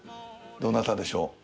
どなたでしょう？